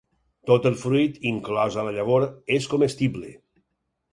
Tot el fruit, inclosa la llavor, és comestible.